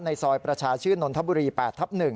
ซอยประชาชื่นนทบุรี๘ทับ๑